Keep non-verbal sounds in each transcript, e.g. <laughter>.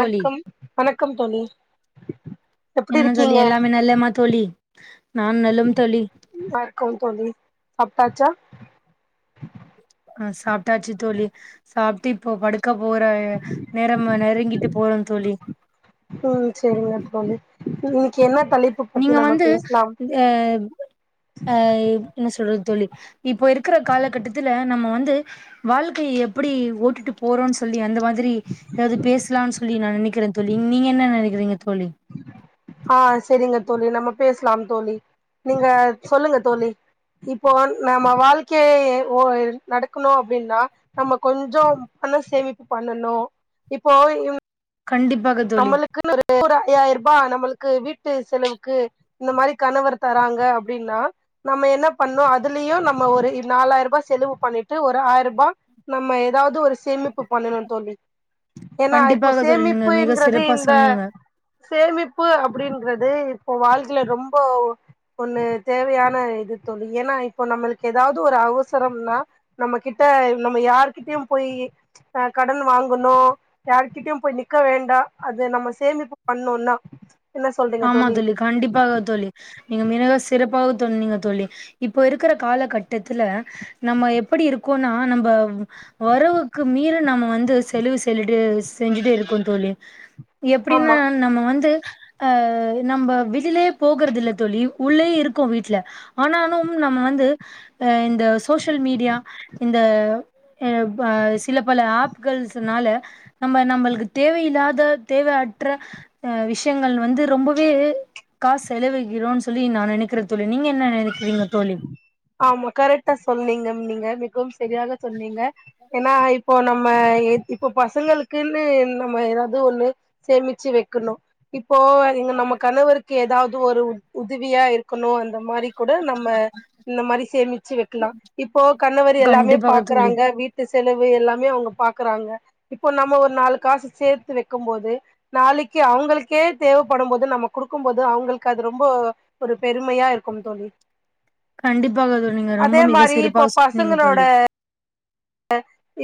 தோழி வணக்கம் தோழி எப்படி என்ன தோழி இருக்கீங்க எல்லாமே நல்லமா தோழி நான் நலம் தோழி வணக்கம் தோழி சாப்பிட்டாச்சா அஹ் சாப்பிட்டாச்சு தோழி சாப்பிட்டு இப்போ படு க்க போற நேரம நெருங்கிட்டு போறோம் தோழி உஹம் சரிங்க தோழி இன்னைக்கு என்ன தலைப்பு பத்தி நீங்க நம்ம வந்து பேசலாம் அஹ் அஹ் என்ன சொல்றது தோழி இப்ப இருக்கிற காலகட்டத்துல நம்ம வந்து வாழ்க்கை எப்படி ஓட்டிட்டு போறோம்னு சொல்லி அந்த திரி ஏதாவது பேசலாம்னு சொல்லி நான் நினைக்கிறேன் தோழி நீங்க என்ன நினைக்க றிங்க ஆஹ் சேரிங்க தோழி நம்ம பேசலாம் தோழி நீங்க சொல்லுங்க தோழி இப்போ நம்ம வாழ்க்கைய நடக்கணும் அப்படின்னா நம்ம கொஞ்சம் பண சேமிப்பு பண்ணணும் இப்போ ங்க கண்டிப்பாக தோழி நம்மளுக்கு ஒரு ஐயாயிரம் ரூ பாய் நம்மளுக்கு வீட்டு செலவுக்கு இந்த மாதிரி கணவர் தராங்க அப்படின்னா நம்ம என்ன பண்ணோம் அதுலயும் நம்ம ஒரு நாலாயிரம் ரூபாய் செலவு பண்ணிட்டு ஒரு ஆயிரம் ரூபாய் நம்ம ஏதாவது ஒரு சேமிப்பு பண்ணணும்னு தோழி ஏன்னா இப்போ கண்டிப்பாக தோழி நீங்க சேமிப்பு மிக அப்டிங்குறது சிறப்பா இந்த சொன்னீங்க சேமிப்பு அப்படின்றது இப்போ வாழ்க்கில ரொம்ப ஒண்ணு தேவையான இது தோழி ஏன்னா இப்போ நம்மளுக்கு ஏதாவது ஒரு அவசரம்னா நம்ம கிட்ட நம்ம யார்கிட்டயும் போய் கடன் வாங்கணும் யார்க்கிட்டயும் போய் இருக்க வேண்டாம் அது நம்ம சேமிப்பு பண்ணுநோன ஆமா தோழி கண்டிப்பாக தோழி நீங்க மிக சிறப்பாக தோன்னீங்க தோழி இப்ப இருக்கிற காலகட்டத்துல நம்ம எப்படி இருக்கோனா நம்ம வறவுக்கு மீற நம்ம வந்து செலவு செல்லிட்டு செஞ்சுட்டு இருக்கோம் தோழி எப்படின்ன ஆமா நம்ம வந்து அஹ் நம்ம வெலயே போகறது இல தோழி உள்ளேயே இருக்கோம் வீட்டுல ஆனாலும் நம்ம வந்து அஹ் இந்த சோசியல் மீடியா இந்த அஹ அஹ் சில பல ஆப்கள்ஸ்னால நம்ம நம்மளுக்கு தேவையில்லாத தேவையற்ற விஷயங்கள் வந்து ரொம்பவே காசு செலவுகிறோன்னு சொல்லி நா நெனக்கிற தோழி நீங்க என்ன நெனைக்கிறீங்க தோழி ஆமா கரெக்டா சொன்னீங்க நீங்க மிகவும் செரியாக சொன்னீங்க ஏன்னா இப்போ நம்ம இப்போ பசங்களுக்குன்னு நம்ம ஏதாவது ஒண்ணு சேமிச்சு வைக்கணு இப்போ இங்க நம்ம கணவருக்கு ஏதாவது ஒரு உதவியா இருக்கணும் அந்த அந்த மாதிரி கூட நம்ம இந்த மாதிரி சேமிச்சு வைக்கலாம் இப்போ கணவர் எல்லாமே கண்டிப்பாக தோழி பாக்குறாங்க வீட்டு செலவு எல்லாமே அவுங்க பாக்கறாங்க இப்போ நம்ம ஒரு நாலு காசு சேத்து வைக்கும் போது நாளைக்கி அவுங்களுக்கே தேவப்படும் போது நம்ம குடுக்கும்போது அவுங்களுக்கு அது ரொம்ப ஒரு பெருமையா இருக்கும் தோழி கண்டிப்பாக தோழி நீங்க ரொம்ப அதே மிக மாரி இப்போ சிறப்பாக சொன்னீங்க பசங்களோட தோழி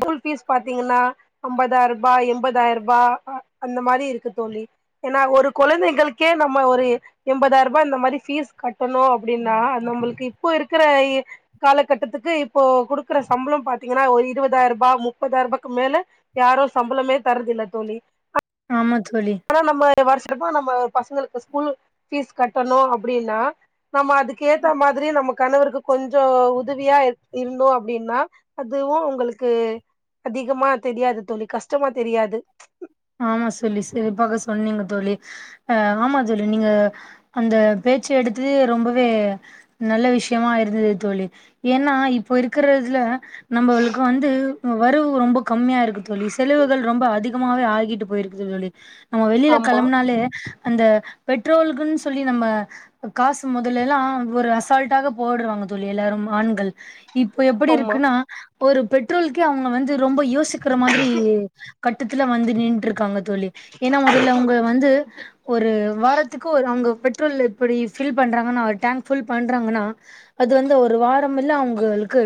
ஸ்கூல் பீஸ் பாத்தீங்கன்னா ஐம்பதாயிரம் ரூபாய் எண்பதாயிரம் ரூபாய் அந்த மாதிரி இருக்கு தோழி ஏனா ஒரு குழந்தைகளுக்கே நம்ம ஒரு எண்பதாயிரம் ரூபாய் இந்த மாதிரி பீஸ் கட்டணும் அப்டின்னா நம்மளுக்கு இப்போ இருக்கிற காலகட்டத்துக்கு இப்போ குடுக்கற சம்பளம் த்தீங்கன்னா ஒரு இருபதாயர்ரூபா முப்பதாயர்ரூபாக்கு மேல யாரு சம்பளமே தர்றது இல்ல தோழி ஆமா த் ஆனா நம்ம வருசம்மா நம்ம பசங்களுக்கு ஸ்கூல் ஃபீஸ் கட்டணு அப்டின்னா நம்ம அதுக்கேத்த மாதிரி நம்ம கணவருக்கு கொஞ்ச உதவியா இருந்தோ அப்டின்னா அதுவு உங்களுக்கு அதிகமா தெரியாது தோழி கஷ்டமா தெரியாது ஆமா சொல்லி சிறப்பாக சொன்னீங்க தோழி ஆ ஆமா தோழி நீங்க அந்த பேச்சு எடுத்தது ரொம்பவே நல்ல விசயமா இருந்தது தோழி ஏன்னா இப்ப இருக்கறதுல நம்மளுக்கு வந்து வரவு ரொம்ப கம்மியா இருக்கு தோழி செலவுகள் ரொம்ப அதிக் த்தமாவே ஆயி ங்கிட்டு போயிருக்குது தோழி நம்ம வெளில ஆமா கெளம்புனாலே அந்த பெட்ரோல்க்குன்னு சொல்லி நம்ம காசு மொதல்லல்லா ஒரு அசால்ட்டாக போடுறாங்க தோழி எல்லாரு ஆண்கள் இப்போ எப்படி ஆமா இருக்குன்னா ஒரு பெட்ரோலுக்கே அவுங்க வந்து ரொம்ப யோசிக்கிற மாதிரி கட்டுத்து இதல வந்து நின் இருக்காங்க தோழி ஏனா முதல அவுங்க வந்து ஒரு வாரத்துக்கு ஒரு அவுங்க பெட்ரோல் இப்படி ஃபில் பண்றாங்கன்னா ஒரு டேங்க் ஃபுல் பண்றாங்கன்னா அது வந்து ஒரு வாரோ இல்ல அவுங்களுக்கு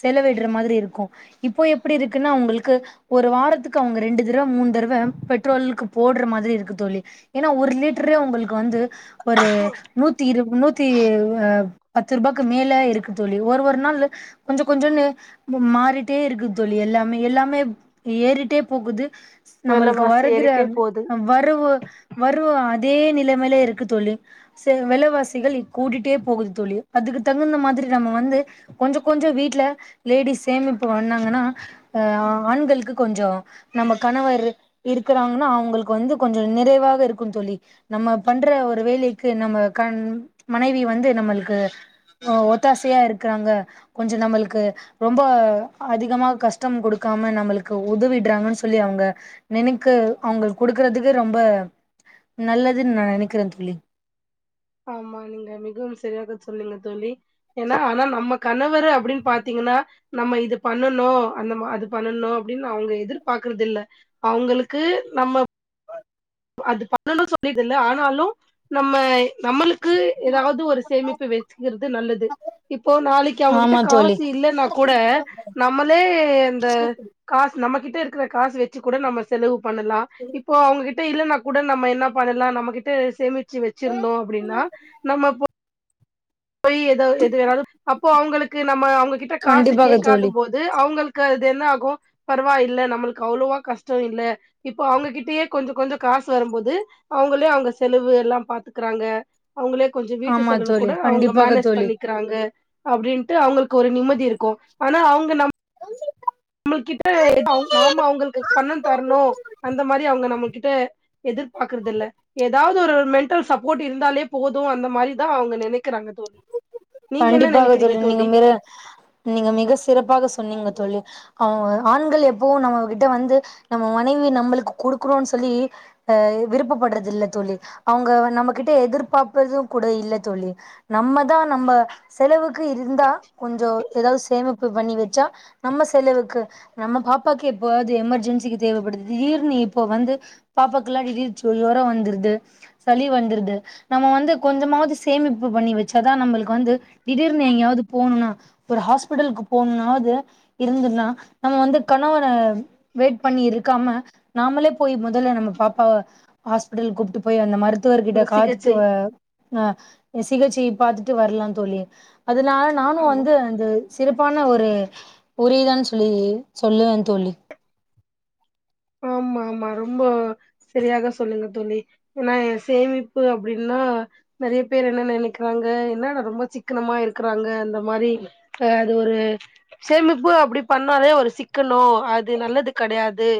செலவிடுற மாதிரி இருக்கு இப்போ எப்படி இருக்குன்னா உங்களுக் க்கு ஒரு வாரத்துக்கு அவுங்க ரெண்டு தடவ மூணு தடவ <unintelligible> பெட்ரோலுக்கு போடுற மாதிரி இருக்கு தோழி ஏன்னா ஒரு லிட்டரே உங்களுக்கு வந்து ஒரு நூத்தி இரு நூத்தி ஆ பத்து ரூபாய்க்கு மேல இருக்கு தோழி ஒரு ஒரு நாள் கொஞ்சம் கொஞ்சன்னு மாறிட்டே இருக்கு தோழி எல்லாமே எல்லாமே ஏறிட்டே போகுது நம்மளுக்கு வெலவாசி வருகிற ஏறிட்டே போது வரவு வரவு இதே நிலைமையில இருக்கு தொழி விலைவாசிகள் கூடிட்டே போகுது தோழி அதுக்கு தகுந்த மாதிரி நம்ம வந்து கொஞ்சம் கொஞ்சம் வீட்டுல லேடிஸ் சேமிப்பு பாங்கன்னாஹ் ஆண்களுக்கு கொஞ்சம் நம்ம கணவர் இருக்குறாங்கன்னா அவங்களுக்கு வந்து கொஞ்ச நிறைவாக இருக்குன்னு சொல்லி நம்ம பண்ற ஒரு வேலைக்கு நம்ம கண் மனைவி வந்து நம்மளுக்கு ஆ ஒத்தாசையா இருக்காங்க கொஞ்ச நம்மளுக்கு ரொம்ப அதிகமா கஷ்டம் கொடுக்காம நம்மளுக்கு உதவிடுறாங்கன்னு சொல்லி அவங்க நினைக்க அவங்க கொடுக்குறதுக்கு ரொம்ப நல்லதுன்னு நான் நினைக்கிறேன் தோழி ஆமா நீங்க மிகவும் சரியாக சொன்னீங்க தோழி ஏனா ஆனா நம்ம கணவர் அப்படின்னு பாத்தீங்கன்னா நம்ம இது பண்ணனும் அந்த அது பண்ணனும் அப்படின்னு அவங்க எதிர்பாரக்குறத இல் அவங்களுக்கு நம்ம அது பண்ணனு <unintelligible> ஆனாலு நம்ம நம்மளுக் ஏதாவது ஒரு சேமிப்பு வச்சக்கிறது நல்லது இப்போ நாளைக்கு அவங்ககிட்ட ஆமா தோழி காசு இல்லைன்னா கூட நம்மளே இந்த காசு நம்மகிட்ட ட்ட இருக்கற காச வச்சு கூட நம்ம செலவு பண்ணலாம் இப்போ அவங்ககிட்ட இல்லைனா கூட நம்ம என்ன பண்ணலாம் நம்மகிட்ட சேமிச்ச ச்சு வச்சிருந்தோ அப்படின்னா நம்ம இப்போ போய் எதோ எது வேணாலு அப்போ அவங்களுக்கு நம்ம அவங்ககிட்ட காசு கண்டிப்பாக கேக்காத தோழி போது அவங்களுக் க்கு அது என்ன ஆகு பரவாயில்ல நம்மளுக்கு அவ்ளவா கஷ்டோ இல்ல இப்போ அவங்ககிட்டயே கொஞ்ச கொஞ்ச காசு வரும்போது அவங்களே அவங்க செலவு எல்லா பாத்துக்கறாங்க அவங்களே கொஞ்சம் வீட்டு ஆமா செலவு தோழி கூட அவங்க கண்டிப்பாக மேனேஜ் தோழி பண்ணிக்கிறாங்க அப்படின்ட்டு அவங்களுக்கு ஒரு நிம்மதி இருக்கும் ஆனா அவங்க நம்ம நம்ம கிட்ட நாம அவங்களுக்கு பணம் தரணும் அந்த மாதிரி அவங்க நம்ம கிட்ட எதிர்பாக்குறது இல்ல ஏதாவது ஒரு மென்ண்டல் சப்போர்ட் இருந்தாலே போதும் அந்த மாதிரிதான் அவங்க நினைக்கிறாங்க நினைக்கிறாங்க தோழி நீங்க என்ன கண்டிப்பாக நெனைக்கிறீங்க தொழில் தோழி நீங்க ம நீங்க மிக சிறப்பாக சொன்னீங்க தோழி அவங்க ஆண்கள் எப்பவும் நம்ம கிட்ட வந்து நம்ம மனைவி நம்மளுக்கு கொடுக்கணும்ன்னு சொல்லி அஹ் விருப்பப்படுறது இல் தோழி அவங்க நம்மகிட்ட எதிர்பார்ப்பறதும் கூட இல்ல தோழி நம்மதான் நம்ம செலவுக்கு இருந்தா கொஞ்சம் ஏதாவது சேமிப்பு பண்ணி வச்சா நம்ம செலவுக்கு நம்ம பாப்பாக்கு எப்பாவது எமர்ஜென்சிக்கு தேவைப்படுது ஈர்னு இப்போ வந்து பாப்பாக்கு எல்லாம் உரம் வந்துருது சளி வந்துடுது நம்ம வந்து கொஞ்சமாவது சேமிப்பு பண்ணி வச்சாதான் நம்மளுக்கு வந்து திடீர்னு எங்கயாது போகணுன்னா ஒரு ஹாஸ்பிட்டலுக்கு போகணுன்னாவது இருந்துன்னா நம்ம வந்து கணவன வெயிட் பண்ணி இருக்காம நாமளே போய் மொதல்ல நம்ம பாப்பாவ ஹாஸ்பிட்டலு கூப்பிட்டு போய் அந்த மாரி த்துவர்கிட்ட அந்த காத்துட்டு சிகிச்சை ஆஹ் அ சிகிச்சை பாத்துட்டு வரலாம் தோழி <inaudible> அதனால நானும் ஆமா வந்து அந்த சிறப்பான ஒரு ஒரு உரியதான் சொல்லி சொல்லுவேன் தோழி ஆமா ஆமா ரொம்ப சரியாக சொல்லுங்க தோழி ஏன்னா சேமிப்பு அப்படின்னா நிறைய பேர் என்ன நினைக்கிறாங்க என்ன ரொம்ப சிக்கனமா இருக்கிறாங்க அந்த மாதிரிஹ் அது ஒரு சேமிப்பு அப்படி பண்ணாலே ஒரு சிக்கனம் அது நல்லது கிடையாது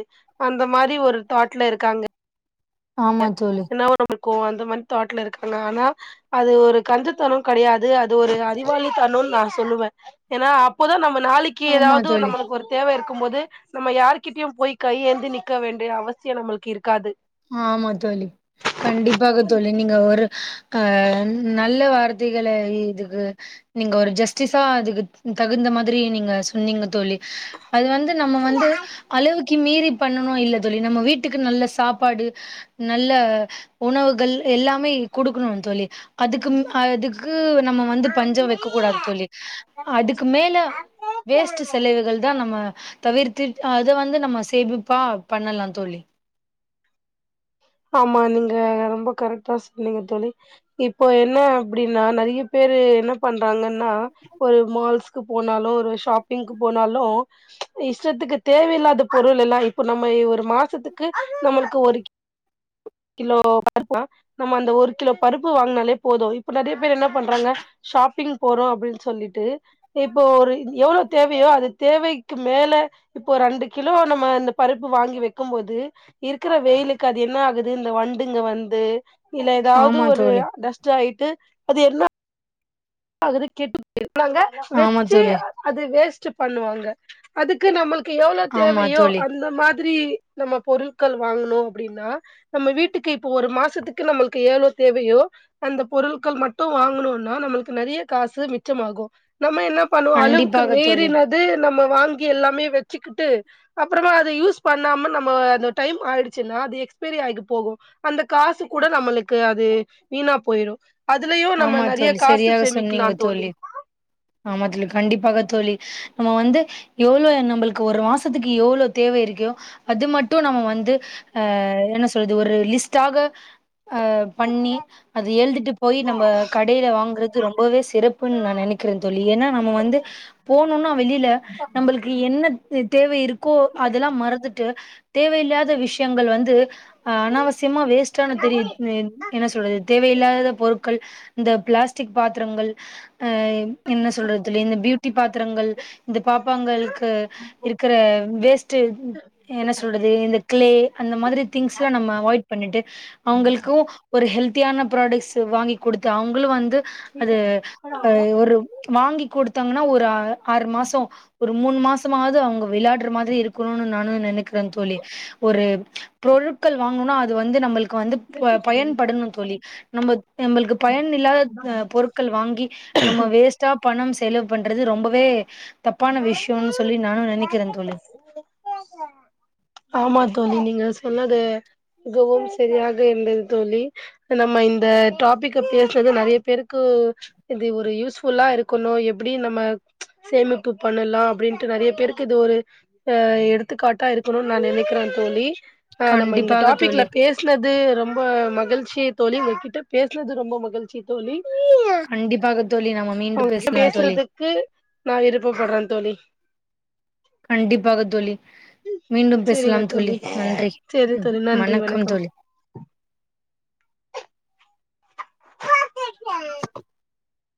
அந்த மாதிரி ஒரு தாட்ல இருக்காங்க ஆமா தோழி என்ன ஒரு நமக்கு அந்த மாதிரி தட்டுல இருக்காங்க ஆனா அது ஒரு கஞ்சத்தனம் கிடையாது அது ஒரு அதிவாளித்தனம் நான் சொல்லுவேன் ஏன்னா அப்போதான் நம்ம நாளைக்கு ஆமா ஏதாவது தோழி நம்மளுக்கு ஒரு தேவ இருக்கும் <unintelligible> நம்ம யாருகிட்டயு போய் கையேந்து நிக்க வேண்டிய அவசிய நம்மளுக்கு இருக்காது ஆமா தோலி கண்டிப்பாக தோலி நீங்க ஒரு ஆ நல்ல வார்த் <unintelligible> இதுக்கு நீங்க ஒரு ஜஸ்டிஸா அதுக்கு தகுந்த மாரி நீங்க சொன்னீங்க தோலி அது வந்து நம்ம வந்து அளவுக்கு மீறி பண்ணணு இல்ல தோலி நம்ம வீட்டுக்கு நல்லா சாப் சாப்பாடு நல்ல உணவுகள் எல்லாமே கொடுக்கணு தோலி அதுக்கு அதுக்கு <unintelligible> நம்ம வந்து பஞ்ச வெக்கக்கூடாது தோலி அதுக்கு மேல வேஸ்ட் செலவுகள் தா நம்ம தவிர்த்து அத வந்து நம்ம சேமிப்பா பண்ணலா தோலி ஆமா நீங்க ரொம்ப கரெட்டா சொன்னீங்க தோலி இப்போ என்ன அப்படின்னா நெறைய பேரு என்ன பண்றாங்கன்னா ஒரு மால்ஸ்க்கு போனாலு ஒரு ஷாப்பிங்க்கு போனாலு இஷ்டத்துக்கு தேவ இலாத பொருள் எல்லா இப்ப நம்ம ஒரு மாசத்துக்கு நம்மளுக்கு ஒரு கிலோ பருப்போ நம்ம அந்த ஒரு கிலோ பருப்பு வாங்கினாலே போதும் இப்ப நெறைய பேர் என்ன பண்றாங்க ஷாப்பிங் போறோம் அப்டின்னு சொல்லிட்டு இப்போ ஒரு எவ்வளோ தேவையோ அது தேவைக்கு மேல இப்போ ரெண்டு கிலோ நம்ம இந்த பருப்பு வாங்கி வைக்கும்போது இருக்கிற வெயிலுக் அது என்ன ஆகுது இந்த வண்டுங்க வந்து இல்ல ஏதாவது ஆமா ஒரு தோழி டஸ்ட் ஆயிட்டு அது என்ன கெட்டு போயிரு <unintelligible> ஆமா வெச்சு தோழி அது வேஸ்ட் பண்ணுவாங்க அதுக்கு நம எவ்ளோ ஆமா தேவையோ தோழி அந்த மாதிரி நம்ம பொருட்கள் வாங்கணு அப்டின்னா நம்ம வீட்டுக்கு இப்போ ஒரு மாசத்துக்கு நம்மளுக்கு எவ்ளோ தேவையோ அந்த பொருட்கள் மட்டும் வாங்கணுனா நம்மளுக்கு நெறைய காசு மிச்சமாகும் நம்ம என்ன பண்ணுவோ அளவுக்கு கண்டிப்பாக தோழி மீறினது நம்ம வாங்கி எல்லாமே வச்சுக்கிட்டு அப்பறமா அத யூஸ் பண்ணாம நம்ம அந்த டைம் ஆயிடுச்சுன்னா அது எக்ஸ்பைரி ஆகி போகும் அந்த காசு கூட நம்மளுக்கு அது வீணா போயிடும் அதுலயும் நம்ம ஆமா நெறைய தோழி காசு சரியாக சொன்னீங்க தோலி ஆமா அதுல கண்டிப்பாக தோலி நம்ம வந்து எவ்ளோ நம்மளுக்கு ஒரு மாசத்துக்கு எவ்ளோ தேவை இருக்கோ அது மட்டும் நம்ம வந்து ஆ என்ன சொல்றது ஒரு லிஸ்டாக ஆ பண்ணி அத எழுதிட்டு நம்ம கடையில வாங்கற ரொம்பவே சிறப்புன்னு நா நெனைக்கிறே தோலி ஏன்னா நம்ம வந்து தோழி போனோனா வெளியல நம்மளுக்கு என்ன தேவ இருக்கோ அதெல்லாம் மறந்துட்டு தேவையில்லாத விஷயங்கள் வந்து ஆ அனாவசியமா வேஸ்ட்டான தெரிய என்ன சொல்றது தேவையில்லாத பொருட் இந்த பிளாஸ்டிக் பாத்திரங்கள் என்ன சொல்றதுல்ல இந்த பியூட் குட்டி பாத்திரங்கள் இந்த பாப்பாங்களுக்கு இருக்கிற வேஸ்ட் என்ன சொல்றது இந்த கிளே அந்த மாரி திங்ஸ் எல்லா நம்ம அவாய்ட் பண்ணிட்டு அவங்களுக்கு ஒரு ஹெல்தியான ப்ராடக்ட்ஸ் வாங்கி கொடுத்து அவங்களும் வந்து அது <unintelligible> வாங்கி கொடுத்தாங்கன்னா ஒரு ஆறு மாசோ ஒரு மூணு மாசமாது அவங்க விளையாடுற மாதிரி இருக்கணுனு நானு நெனைக்கிற தோலி ஒரு பொருட்கள் வாங்கணுனா அது வந்து நம்மளுக் வந்து பயன்படணு தோலி நம்ம நம்மளுக்கு பயன் இல்லாத பொருட்கள் வாங்கி நம்ம வேஸ்ட்டா பணம் செலவு பண்றது ரொம்பவே தப்பான விஷயம்னு சொல்லி நானும் நினைக்கிறேன் தோழி தோலி நீங்க சொன்னது மிகவும் சரியாக இருந்தது தோலி நம்ம இந்த டாபிக்க பேசுறது நெறைய பேருக்கு இது ஒரு யூஸ் புல்லா இருக்கணு எப்டி நம்ம சேமி பு பண்ணலா அப்டின்ட்டு நெறைய பேருக்கு இது ஒரு அ எடுத்துக்காட்டா இருக்கனுன்னு நான நினைக்கிறேன் தோலி ஆ நம்ம இந்த கண்டிப்பாக டாபிக்ல தோழி பேசினது ரொம்ப மகிழ் சேரி தோழி உங்க கிட்ட பேசுனது ரொம்ப மகிழ்ச்சி தோழி கண்டிப்பாக தோழி நாம் மீண்டும் பேசலாம் தோழி படுறன் தோலி கண்டிப்பாக தோலி மீண்டும் செரிங்க பேசலாம் தோலி தோழி நன்றி சேரி தோழி நன்றி வணக்கம் தோலி <inaudible>